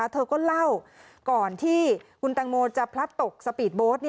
เธอก็เล่าก่อนที่คุณแตงโมจะพลัดตกสปีดโบสต์